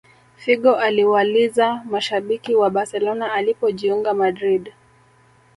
Figo aliwaliza mashabiki wa barcelona alipojiunga madrid